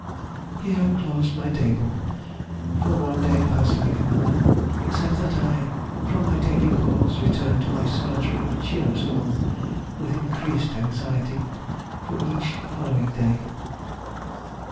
"Here closed my Day book, for one day passed like another, except that I, from my daily calls, returned to my solitary and cheerless home with increased anxiety for each following day."